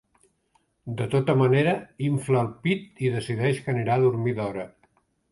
De tota manera, infla el pit i decideix que anirà a dormir d'hora.